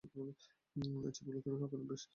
ওই চাবিগুলো তুমি পাবে না, ব্যাস।